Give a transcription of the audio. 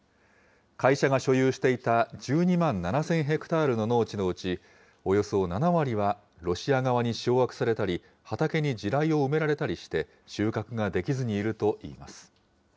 会社が所有していた１２万７０００ヘクタールの農地のうち、およそ７割はロシア側に掌握されたり、畑に地雷を埋められたりして、収穫ができずにいるといいます。